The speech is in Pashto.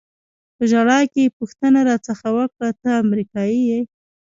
په ژړا کې یې پوښتنه را څخه وکړه: ته امریکایي یې؟